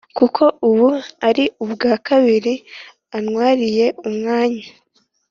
kuko ubu ari ubwa kabiri antwariye umwanya